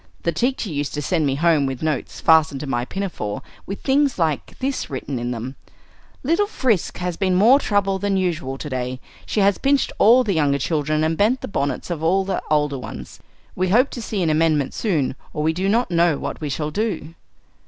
The teacher used to send me home with notes fastened to my pinafore with things like this written in them: 'Little Frisk has been more troublesome than usual to day. She has pinched all the younger children, and bent the bonnets of all the older ones. We hope to see an amendment soon, or we do not know what we shall do.'"